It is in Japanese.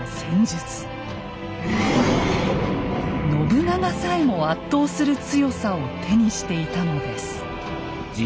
信長さえも圧倒する強さを手にしていたのです。